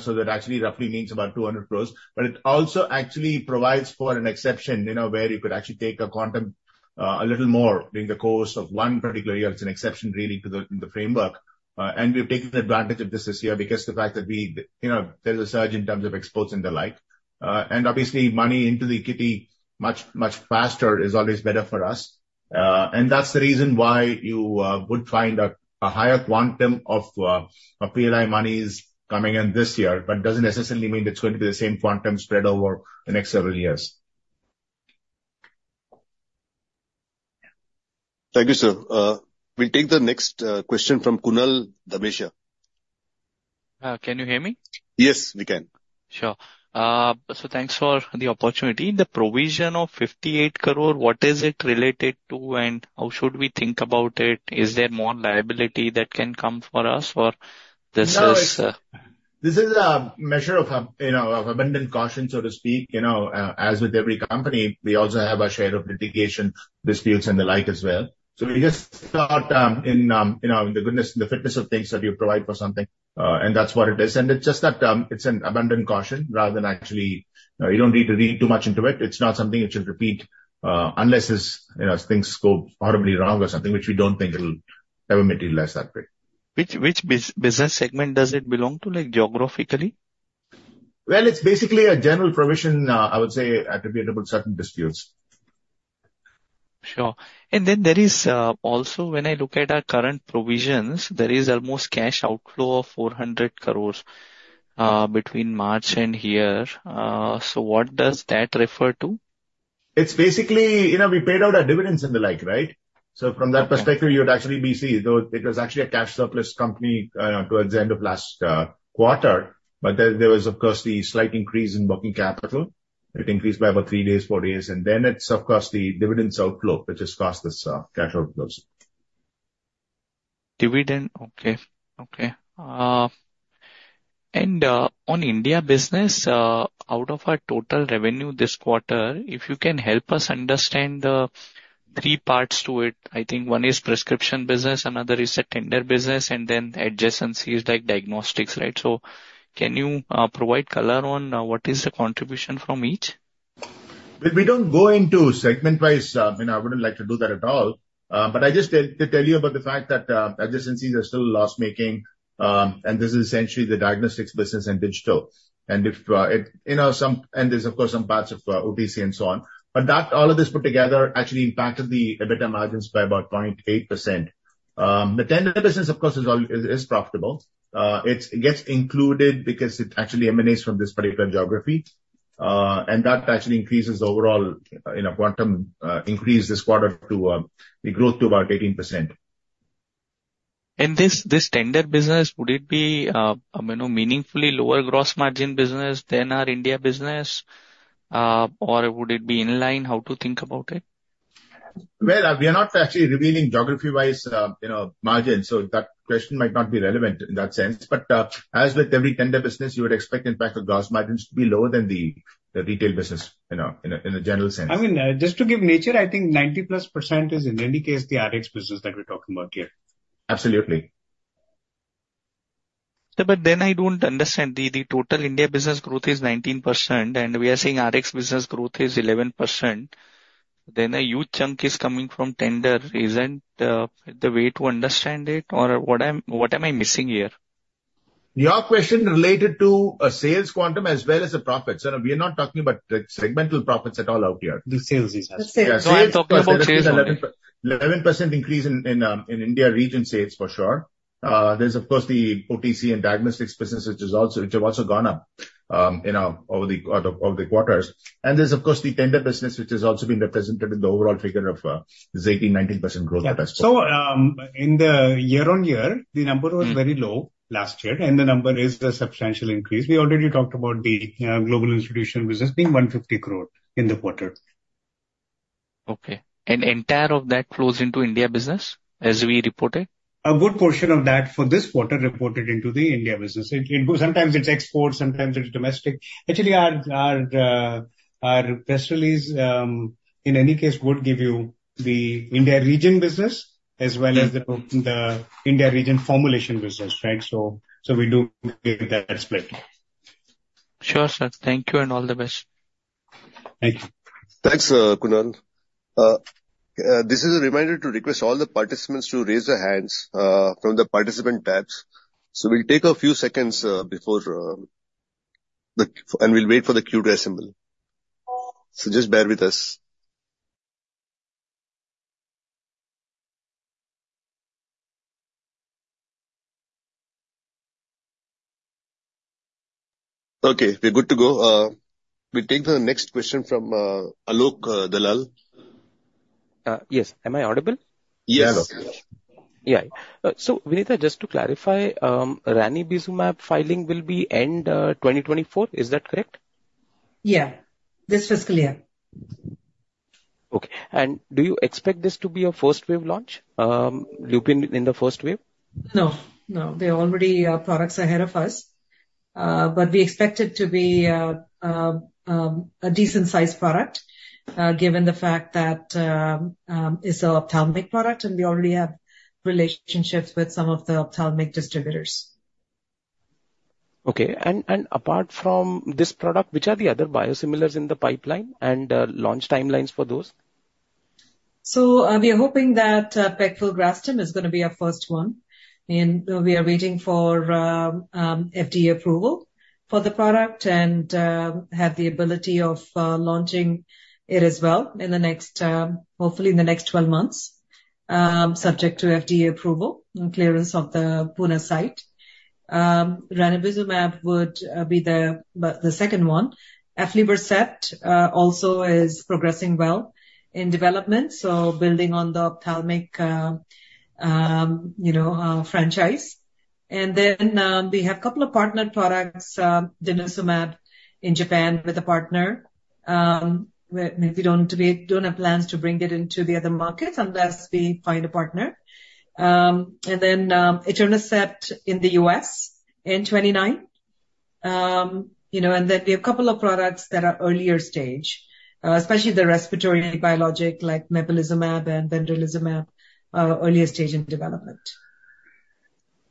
B: So that actually roughly means about 200 crores. But it also actually provides for an exception where you could actually take a quantum a little more during the course of one particular year. It's an exception really to the framework. And we've taken advantage of this this year because of the fact that there's a surge in terms of exports and the like. And obviously, money into the kitty much faster is always better for us. That's the reason why you would find a higher quantum of PLI monies coming in this year, but doesn't necessarily mean it's going to be the same quantum spread over the next several years.
C: Thank you, sir. We'll take the next question from Kunal Dhamesha.
F: Can you hear me?
C: Yes, we can.
F: Sure. So thanks for the opportunity. The provision of 58 crore, what is it related to, and how should we think about it? Is there more liability that can come for us, or this is?
B: This is a measure of abundant caution, so to speak. As with every company, we also have our share of litigation, disputes, and the like as well. So we just thought in the goodness, in the fitness of things that you provide for something, and that's what it is. And it's just that it's an abundant caution rather than actually you don't need to read too much into it. It's not something you should repeat unless things go horribly wrong or something, which we don't think it'll ever materialize that way.
F: Which business segment does it belong to geographically?
B: It's basically a general provision, I would say, attributable to certain disputes.
F: Sure. And then there is also, when I look at our current provisions, there is almost cash outflow of 400 crores between March and year. So what does that refer to?
B: It's basically we paid out our dividends and the like, right? So from that perspective, you would actually be seeing though it was actually a cash surplus company towards the end of last quarter. But there was, of course, the slight increase in working capital. It increased by about three days, four days. And then it's, of course, the dividends outflow, which has caused this cash outflow.
F: Dividend. Okay. Okay. And on India business, out of our total revenue this quarter, if you can help us understand the three parts to it, I think one is prescription business, another is a tender business, and then adjacencies like diagnostics, right? So can you provide color on what is the contribution from each?
B: We don't go into segment-wise. I mean, I wouldn't like to do that at all. But I just tell you about the fact that adjacencies are still loss-making. And this is essentially the diagnostics business and digital. And there's, of course, some parts of OTC and so on. But all of this put together actually impacted the EBITDA margins by about 0.8%. The tender business, of course, is profitable. It gets included because it actually emanates from this particular geography. And that actually increases overall quantum increase this quarter to the growth to about 18%.
F: And this tender business, would it be a meaningfully lower gross margin business than our India business? Or would it be in line? How to think about it?
B: We are not actually revealing geography-wise margins. So that question might not be relevant in that sense. But as with every tender business, you would expect, in fact, the gross margins to be lower than the retail business in a general sense.
I: I mean, just to give nature, I think 90+% is in any case the RX business that we're talking about here.
B: Absolutely.
F: But then I don't understand. The total India business growth is 19%, and we are saying RX business growth is 11%. Then a huge chunk is coming from tender. Isn't the way to understand it? Or what am I missing here?
B: Your question related to sales quantum as well as the profits. We are not talking about segmental profits at all out here.
F: The sales business.
B: Yeah. So we're talking about sales 11% increase in India region sales, for sure. There's, of course, the OTC and diagnostics business, which have also gone up over the quarters. And there's, of course, the tender business, which has also been represented in the overall figure of 18%-19% growth at that point.
F: So in the year on year, the number was very low last year. And the number is a substantial increase. We already talked about the global institutional business being 150 crore in the quarter. Okay. And entire of that flows into India business as we reported?
B: A good portion of that for this quarter reported into the India business. Sometimes it's export. Sometimes it's domestic. Actually, our press release, in any case, would give you the India region business as well as the India region formulation business, right? So we do get that split.
F: Sure, sir. Thank you and all the best.
B: Thank you.
C: Thanks, Kunal. This is a reminder to request all the participants to raise their hands from the participant tabs. So we'll take a few seconds before and we'll wait for the queue to assemble. So just bear with us. Okay. We're good to go. We take the next question from Alok Dalal.
K: Yes. Am I audible?
C: Yes.
K: Yeah. So Vinita, just to clarify, ranibizumab ANDA filing will be end 2024. Is that correct?
A: Yeah. This fiscal year.
K: Okay. And do you expect this to be a first wave launch? You've been in the first wave?
A: No. No. They already are products ahead of us. But we expect it to be a decent-sized product given the fact that it's an ophthalmic product, and we already have relationships with some of the ophthalmic distributors.
K: Okay. And apart from this product, which are the other biosimilars in the pipeline and launch timelines for those?
A: So we are hoping that pegfilgrastim is going to be our first one. And we are waiting for FDA approval for the product and have the ability of launching it as well in the next, hopefully, in the next 12 months, subject to FDA approval and clearance of the Pune site. Ranibizumab would be the second one. Aflibercept also is progressing well in development, so building on the ophthalmic franchise. And then we have a couple of partnered products, denosumab in Japan with a partner. We don't have plans to bring it into the other markets unless we find a partner. And then etanercept in the U.S. in 2029. And then we have a couple of products that are earlier stage, especially the respiratory biologic like mepolizumab and vedolizumab, earlier stage in development.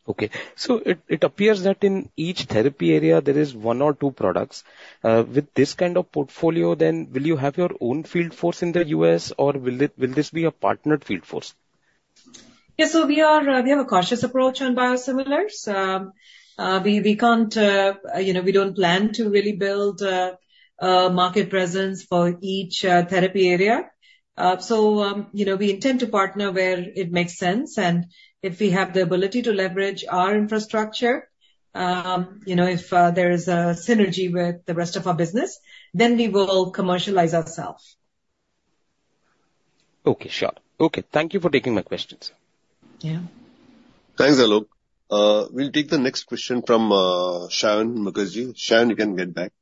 K: Okay. So it appears that in each therapy area, there is one or two products. With this kind of portfolio, then will you have your own field force in the U.S., or will this be a partnered field force?
A: Yeah. So we have a cautious approach on biosimilars. We don't plan to really build a market presence for each therapy area. So we intend to partner where it makes sense. And if we have the ability to leverage our infrastructure, if there is a synergy with the rest of our business, then we will commercialize ourselves.
K: Okay. Sure. Okay. Thank you for taking my questions.
A: Yeah.
C: Thanks, Alok. We'll take the next question from Saion Mukherjee. Saion, you can get back.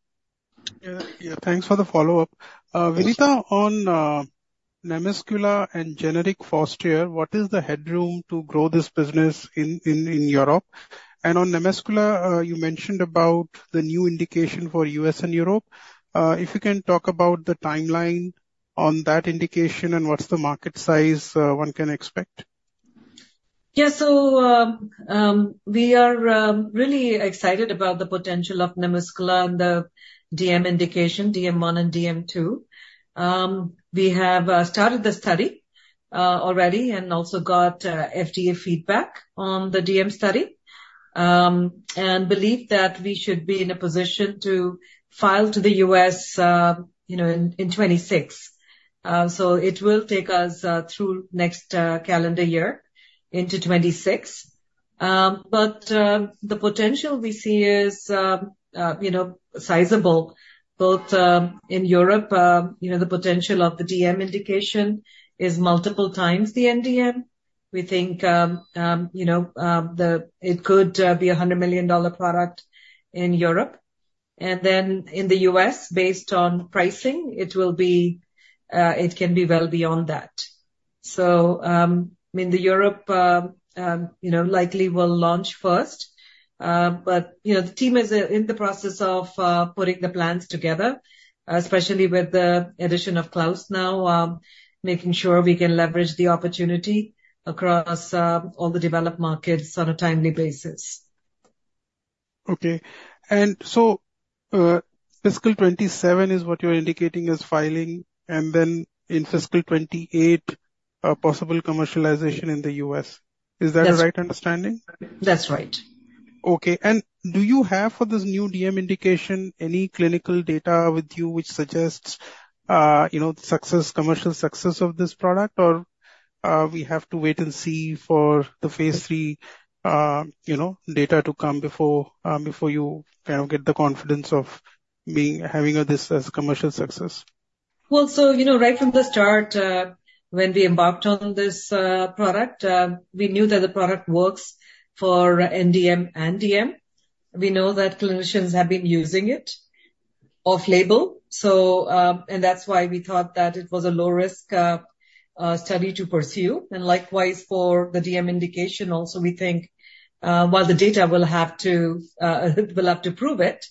D: Yeah. Thanks for the follow-up. Vinita, on NaMuscla and generic Fostair, what is the headroom to grow this business in Europe? And on NaMuscla, you mentioned about the new indication for U.S. and Europe. If you can talk about the timeline on that indication and what's the market size one can expect?
A: Yeah. So we are really excited about the potential of NaMuscla and the DM indication, DM1 and DM2. We have started the study already and also got FDA feedback on the DM study and believe that we should be in a position to file to the U.S. in 2026. So it will take us through next calendar year into 2026. But the potential we see is sizable. Both in Europe, the potential of the DM indication is multiple times the NDM. We think it could be a $100 million product in Europe. And then in the U.S., based on pricing, it can be well beyond that. So in Europe, likely we'll launch first. But the team is in the process of putting the plans together, especially with the addition of Klaus now, making sure we can leverage the opportunity across all the developed markets on a timely basis.
D: Okay. And so fiscal 2027 is what you're indicating as filing, and then in fiscal 2028, possible commercialization in the U.S. Is that a right understanding?
A: That's right.
D: Okay. And do you have for this new DM indication any clinical data with you which suggests the success of this product, or we have to wait and see for the phase III data to come before you kind of get the confidence of having this as a commercial success?
A: So right from the start, when we embarked on this product, we knew that the product works for NDM and DM. We know that clinicians have been using it off-label. And that's why we thought that it was a low-risk study to pursue. And likewise, for the DM indication also, we think while the data will have to prove it,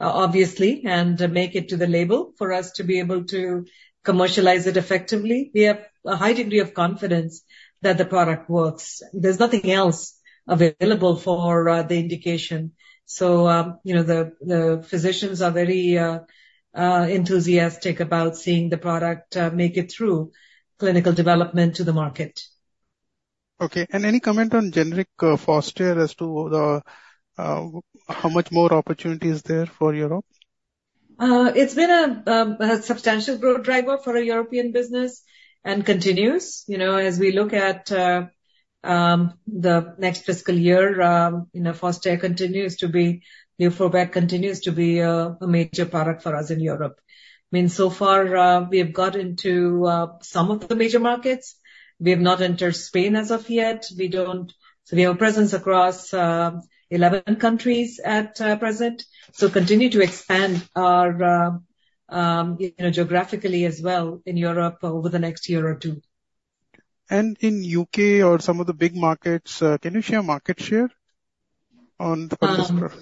A: obviously, and make it to the label for us to be able to commercialize it effectively, we have a high degree of confidence that the product works. There's nothing else available for the indication. So the physicians are very enthusiastic about seeing the product make it through clinical development to the market.
D: Okay. And any comment on generic Fostair as to how much more opportunity is there for Europe?
A: It's been a substantial growth driver for a European business and continues. As we look at the next fiscal year, Luforbec continues to be a major product for us in Europe. I mean, so far, we have got into some of the major markets. We have not entered Spain as of yet. So we have a presence across 11 countries at present, so continue to expand geographically as well in Europe over the next year or two.
D: In the U.K. or some of the big markets, can you share market share on the product?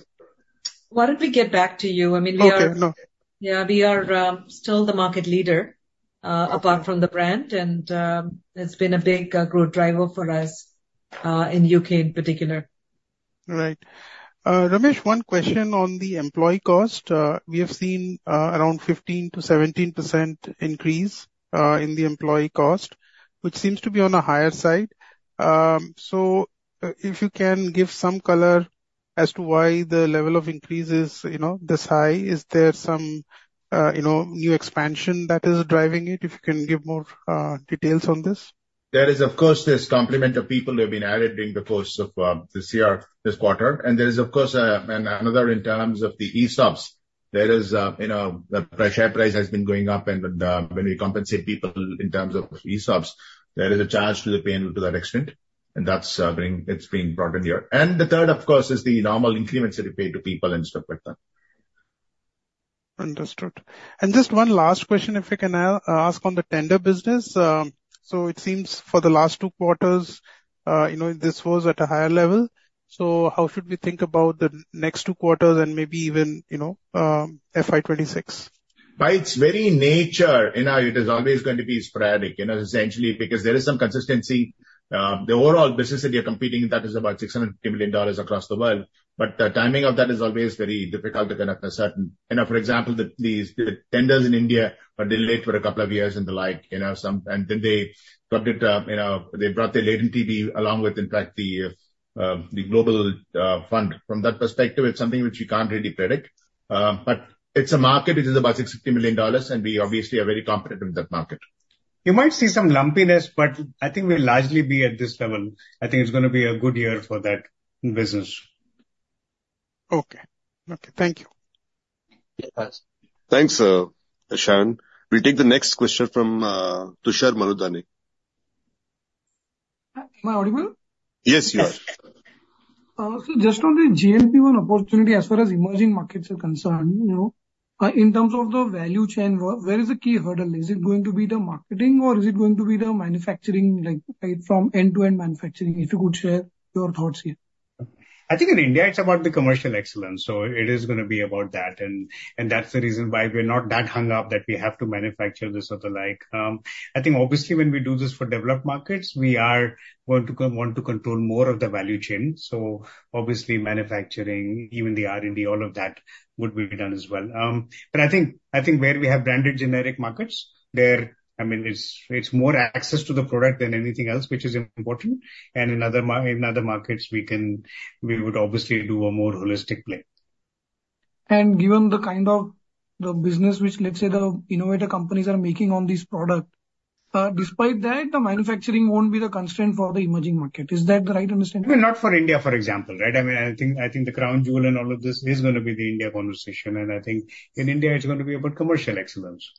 A: Why don't we get back to you? I mean, we are.
D: Okay. No.
A: Yeah. We are still the market leader apart from the brand. And it's been a big growth driver for us in U.K. in particular.
D: Right. Ramesh, one question on the employee cost. We have seen around 15%-17% increase in the employee cost, which seems to be on a higher side. So if you can give some color as to why the level of increase is this high? Is there some new expansion that is driving it? If you can give more details on this.
B: There is, of course, this complement of people who have been added during the course of this year, this quarter, and there is, of course, another in terms of the ESOPs. There is the share price has been going up, and when we compensate people in terms of ESOPs, there is a charge to the P&L to that extent, and it is being brought in here. The third, of course, is the normal increments that you pay to people and stuff like that.
D: Understood. And just one last question, if I can ask on the tender business. So it seems for the last two quarters, this was at a higher level. So how should we think about the next two quarters and maybe even FY26?
B: By its very nature, it is always going to be sporadic, essentially, because there is some inconsistency. The overall business that you're competing with, that is about $650 million across the world, but the timing of that is always very difficult to kind of ascertain, for example, the tenders in India are delayed for a couple of years and the like, and then they got it. They brought the urgency along with, in fact, the Global Fund. From that perspective, it's something which we can't really predict, but it's a market which is about $650 million, and we obviously are very competitive in that market. You might see some lumpiness, but I think we'll largely be at this level. I think it's going to be a good year for that business.
D: Okay. Okay. Thank you.
C: Thanks, Saion. We'll take the next question from Tushar Manudhane.
L: Am I audible?
C: Yes, you are.
L: So just on the GLP-1 opportunity, as far as emerging markets are concerned, in terms of the value chain, where is the key hurdle? Is it going to be the marketing, or is it going to be the manufacturing, from end-to-end manufacturing? If you could share your thoughts here.
B: I think in India, it's about the commercial excellence, so it is going to be about that, and that's the reason why we're not that hung up that we have to manufacture this or the like. I think, obviously, when we do this for developed markets, we are going to want to control more of the value chain, so obviously, manufacturing, even the R&D, all of that would be done as well, but I think where we have branded generic markets, there, I mean, it's more access to the product than anything else, which is important, and in other markets, we would obviously do a more holistic play.
L: Given the kind of business, which let's say the innovator companies are making on this product, despite that, the manufacturing won't be the constraint for the emerging market. Is that the right understanding?
B: Not for India, for example, right? I mean, I think the crown jewel and all of this is going to be the India conversation, and I think in India, it's going to be about commercial excellence.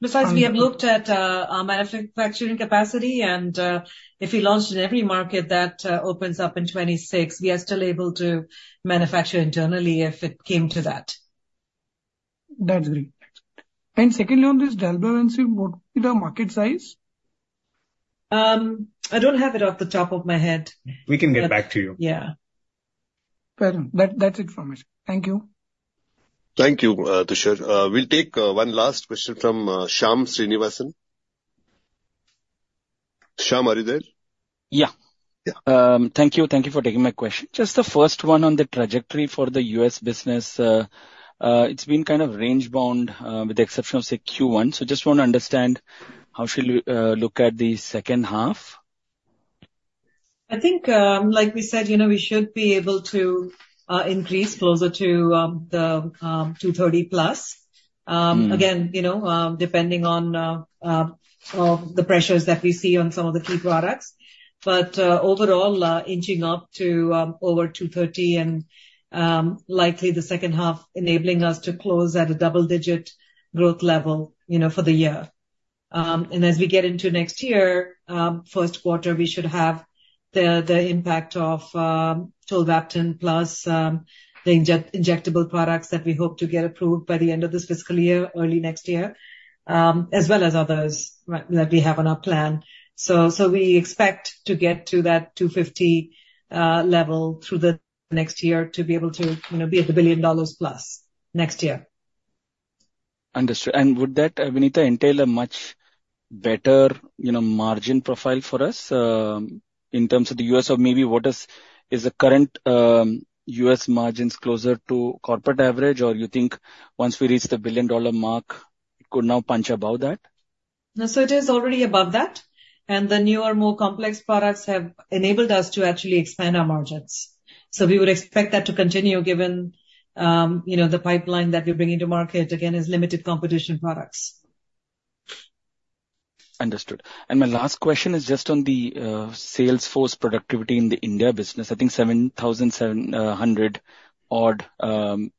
A: Besides, we have looked at manufacturing capacity, and if we launched in every market that opens up in 2026, we are still able to manufacture internally if it came to that.
L: That's great. And secondly, on this dalbavancin, what would be the market size?
A: I don't have it off the top of my head.
B: We can get back to you.
A: Yeah.
L: Fair enough. That's it from me. Thank you.
C: Thank you, Tushar. We'll take one last question from Shyam Srinivasan. Shyam, are you there? Yeah. Thank you. Thank you for taking my question. Just the first one on the trajectory for the U.S. business. It's been kind of range-bound with the exception of, say, Q1. So just want to understand how should we look at the second half?
A: I think, like we said, we should be able to increase closer to the 230+, again, depending on the pressures that we see on some of the key products, but overall, inching up to over 230 and likely the second half enabling us to close at a double-digit growth level for the year, and as we get into next year, first quarter, we should have the impact of tolvaptan plus the injectable products that we hope to get approved by the end of this fiscal year, early next year, as well as others that we have on our plan, so we expect to get to that 250 level through the next year to be able to be at the $1 billion plus next year. Understood. And would that, Vinita, entail a much better margin profile for us in terms of the U.S.? Or maybe what is the current U.S. margins closer to corporate average? Or you think once we reach the billion-dollar mark, it could now punch above that? No, so it is already above that. And the newer, more complex products have enabled us to actually expand our margins. So we would expect that to continue given the pipeline that we're bringing to market, again, is limited competition products. Understood. And my last question is just on the sales force productivity in the India business. I think 7,700-odd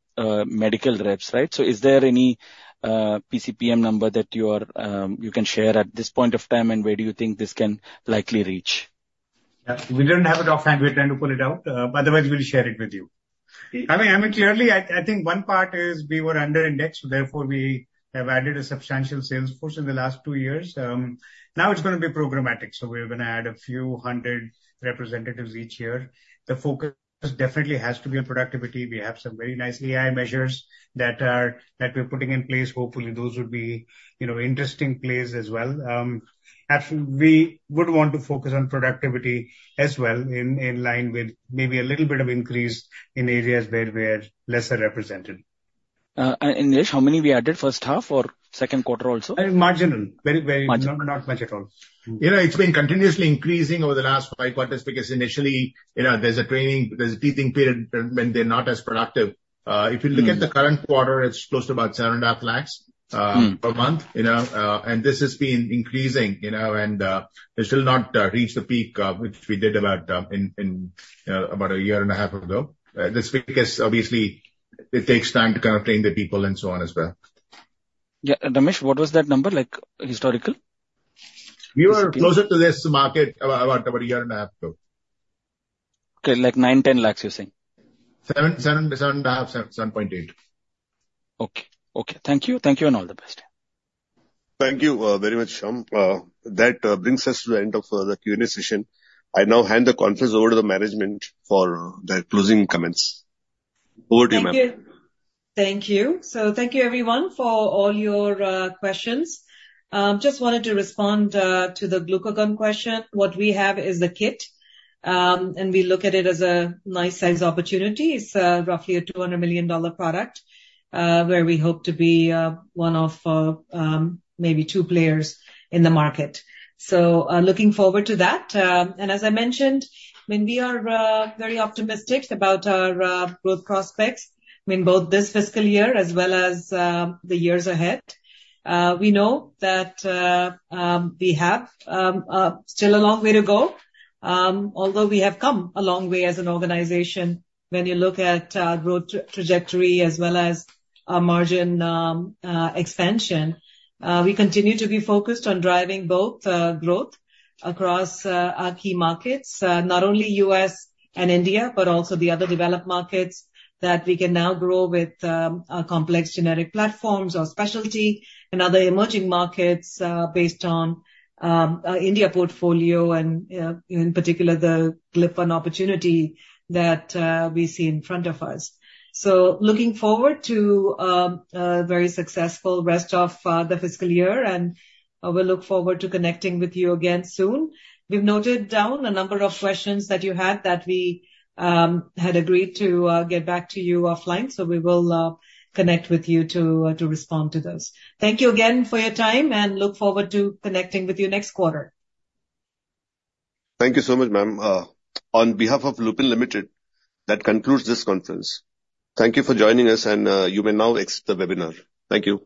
A: medical reps, right? So is there any PCPM number that you can share at this point of time, and where do you think this can likely reach?
B: Yeah. We didn't have it offhand. We're trying to pull it out. Otherwise, we'll share it with you. I mean, clearly, I think one part is we were underindexed. Therefore, we have added a substantial sales force in the last two years. Now it's going to be programmatic. So we're going to add a few hundred representatives each year. The focus definitely has to be on productivity. We have some very nice AI measures that we're putting in place. Hopefully, those would be interesting plays as well. We would want to focus on productivity as well in line with maybe a little bit of increase in areas where we are lesser represented. In this, how many we added first half or second quarter also? Marginal. Very, very not much at all. It's been continuously increasing over the last five quarters because initially, there's a training. There's a teething period when they're not as productive. If you look at the current quarter, it's close to about 7.5 lakhs per month. And this has been increasing. And it's still not reached the peak which we did about a year and a half ago. This week is, obviously, it takes time to kind of train the people and so on as well. Yeah. Ramesh, what was that number, historical? We were closer to this market about a year and a half ago. Okay. Like nine, 10 lakhs, you're saying? 7, 7.5, 7.8. Okay. Okay. Thank you. Thank you and all the best.
C: Thank you very much, Shyam. That brings us to the end of the Q&A session. I now hand the conference over to the management for their closing comments. Over to you, ma'am.
A: Thank you. Thank you. So thank you, everyone, for all your questions. Just wanted to respond to the glucagon question. What we have is the kit. And we look at it as a nice size opportunity. It's roughly a $200 million product where we hope to be one of maybe two players in the market. So looking forward to that. And as I mentioned, I mean, we are very optimistic about our growth prospects. I mean, both this fiscal year as well as the years ahead. We know that we have still a long way to go. Although we have come a long way as an organization, when you look at our growth trajectory as well as our margin expansion, we continue to be focused on driving both growth across our key markets, not only U.S. and India, but also the other developed markets that we can now grow with complex generic platforms or specialty and other emerging markets based on India portfolio and, in particular, the GLP-1 opportunity that we see in front of us. So looking forward to a very successful rest of the fiscal year. And we'll look forward to connecting with you again soon. We've noted down a number of questions that you had that we had agreed to get back to you offline. So we will connect with you to respond to those. Thank you again for your time. And look forward to connecting with you next quarter.
C: Thank you so much, ma'am. On behalf of Lupin Limited, that concludes this conference. Thank you for joining us. And you may now exit the webinar. Thank you.